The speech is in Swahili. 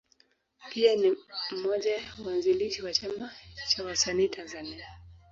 Pia ni mmoja ya waanzilishi wa Chama cha Wasanii Tanzania.